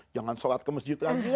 jangan sholat ke masjid